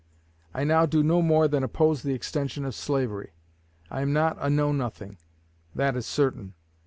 I now do no more than oppose the extension of slavery. I am not a Know Nothing that is certain.